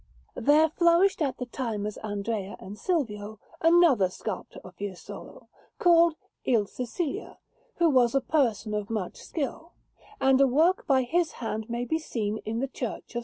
There flourished at the same time as Andrea and Silvio another sculptor of Fiesole, called Il Cicilia, who was a person of much skill; and a work by his hand may be seen in the Church of S.